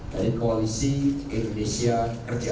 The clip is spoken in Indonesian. dari koalisi indonesia kerja